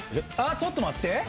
ちょっと待って！